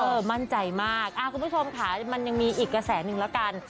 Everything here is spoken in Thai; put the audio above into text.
มั่นใจมากคุณผู้ชมค่ะมันยังมีอีกกระแสหนึ่งแล้วกัน